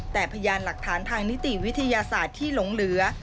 แต่พยานหลักฐานทางนิติวิทยาศาสตร์ที่หลงเหลือ